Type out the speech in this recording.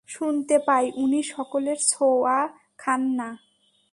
শুনতে পাই উনি সকলের ছোঁওয়া খান না।